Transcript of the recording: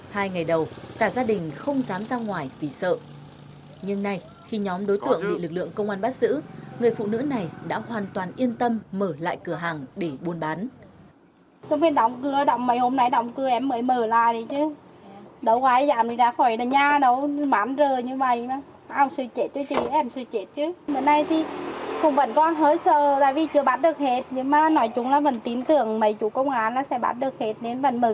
hai ngày đầu cả gia đình không dám ra ngoài vì sợ nhưng nay khi nhóm đối tượng bị lực lượng công an bắt giữ người phụ nữ này đã hoàn toàn yên tâm mở lại cửa hàng để buôn bán